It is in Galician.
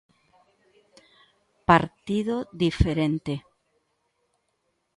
Partido diferente.